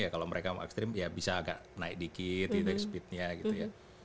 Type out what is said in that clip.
kalau mereka mau ekstrim ya bisa agak naik dikit gitu ya speednya gitu ya